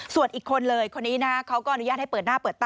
ส่วนอีกคนเลยคนนี้นะเขาก็อนุญาตให้เปิดหน้าเปิดตา